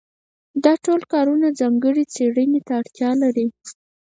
دا ټول کارونه ځانګړې څېړنې ته اړتیا لري.